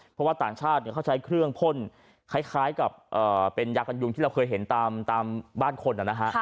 เพราะว่าต่างชาติเขาใช้เครื่องพ่นคล้ายกับเป็นยากันยุงที่เราเคยเห็นตามบ้านคนนะฮะ